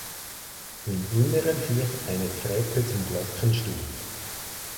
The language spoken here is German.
Im Inneren führt eine Treppe zum Glockenstuhl.